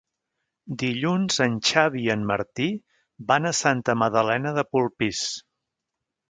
Dilluns en Xavi i en Martí van a Santa Magdalena de Polpís.